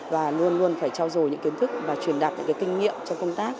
và luôn luôn phải trao dồi những kiến thức và truyền đạt những kinh nghiệm trong công tác